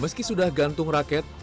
meski sudah gantung raket